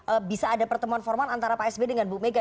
ee bisa ada pertemuan formal antara pak sby dengan bu mega